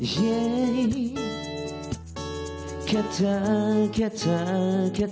เธอคนนี้คือคนที่ฉันขอบคุณ